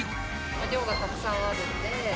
量がたくさんあるので。